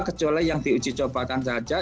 kecuali yang diuji cobakan saja